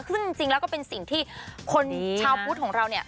ซึ่งจริงแล้วก็เป็นสิ่งที่คนชาวพุทธของเราเนี่ย